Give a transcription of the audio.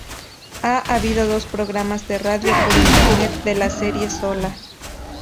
Ha habido dos programas de radio por Internet de la serie "Sola".